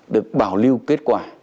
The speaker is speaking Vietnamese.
được bảo lưu kết quả